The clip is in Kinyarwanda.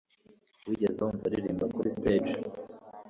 Wigeze wumva aririmba kuri stage